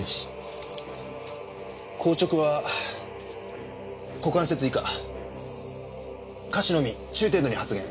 硬直は股関節以下下肢のみ中程度に発現。